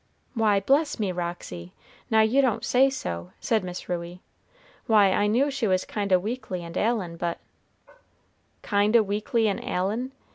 "Why, bless me, Roxy, now you don't say so!" said Miss Ruey; "why I knew she was kind o' weakly and ailin', but" "Kind o' weakly and ailin'!"